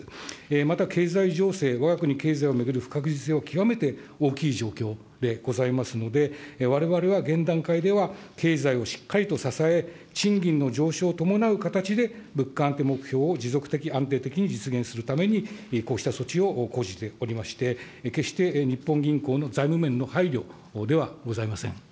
また、経済情勢、わが国経済を巡る不確実性は極めて大きい状況でございますので、われわれは現段階では経済をしっかりと支え、賃金の上昇を伴う形で、物価安定目標を持続的、安定的に実現するために、こうした措置を講じておりまして、決して、日本銀行の財務面の配慮ではございません。